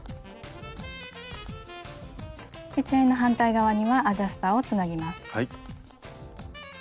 チェーンの反対側にはアジャスターをつなぎます。